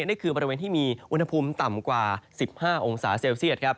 นี่คือบริเวณที่มีอุณหภูมิต่ำกว่า๑๕องศาเซลเซียต